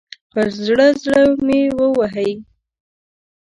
پر زړه، زړه مې ووهئ